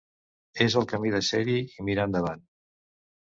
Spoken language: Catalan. És el camí de ser-hi i mirar endavant.